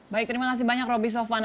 baik terima kasih banyak roby sofwan